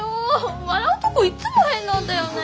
笑うとこいっつも変なんだよね。